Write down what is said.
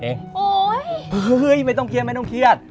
โอ๊ยเฮ้ยไม่ต้องเคลียดไม่ต้องเคลียดวัย